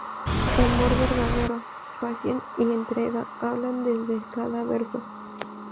Amor verdadero, pasión y entrega hablan desde cada verso.